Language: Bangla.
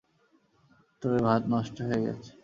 তবে ভাত নষ্ট হয়ে গেছে।